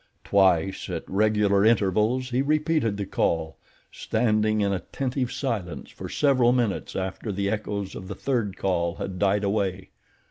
Twice, at regular intervals, he repeated the call, standing in attentive silence for several minutes after the echoes of the third call had died away.